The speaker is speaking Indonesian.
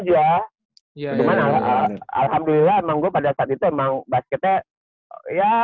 cuman alhamdulillah emang gue pada saat itu emang basketnya